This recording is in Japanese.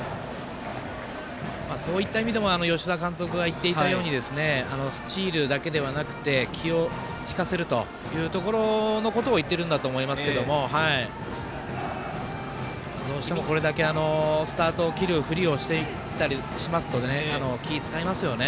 そういった意味でも吉田監督が言っていたようにスチールだけではなくて気を引かせるというところのことを言っているんだと思いますけどどうしてもこれだけスタートを切るふりをしていったりしますと気を使いますよね。